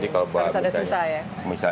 harus ada sisa ya